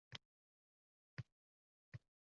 Ko‘ngilga allanechuk zavq-shavq bag‘ishlaydi.